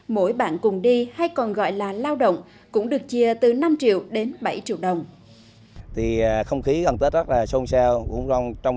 mỗi bạn cùng đi hay còn gọi là lao động cũng được chia từ năm triệu đến bảy triệu đồng